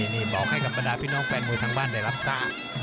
นี่บอกให้กับบรรดาพี่น้องแฟนมวยทางบ้านได้รับทราบ